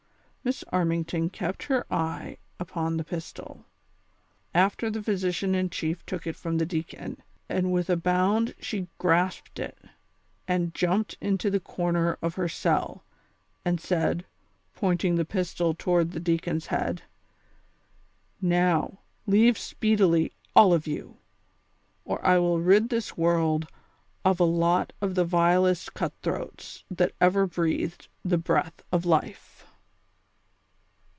Miss Armington kept her eye upon tlie pistol, after the physician in chief took it from the deacon, and with a bound she grasped it, and jumped into the corner of her cell, and said, pointing the pistol toward the deacon's head : "INow, leave sneedily, all of 3'^ou, or T will rid this world of a lot of the vilest cut throats that ever breathed the breath of life."